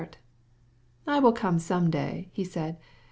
"I'll come some day," he said.